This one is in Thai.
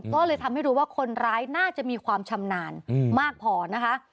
ก็เลยทำให้รู้ว่าคนร้ายน่าจะมีความชำนาญมากพอนะคะ